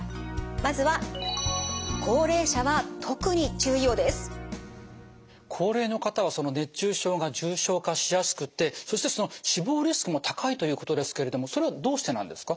まずは高齢の方は熱中症が重症化しやすくてそしてその死亡リスクも高いということですけれどもそれはどうしてなんですか？